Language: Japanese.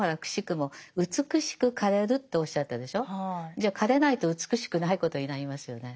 じゃあ枯れないと美しくないことになりますよね。